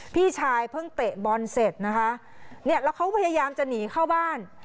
พี่ชายเพิ่งเตะบอลเสร็จนะคะเนี่ยแล้วเขาพยายามจะหนีเข้าบ้าน